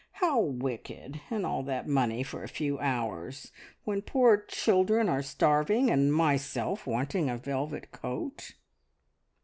How wicked! All that money for a few hours, when poor children are starving, and myself wanting a velvet coat..."